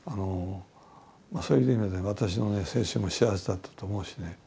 そういう意味で私の青春も幸せだったと思うしね。